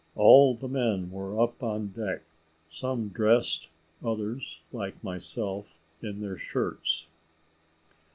All the men were up on deck, some dressed, others, like myself, in their shirts.